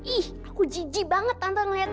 ih aku jijik banget tante ngeliatnya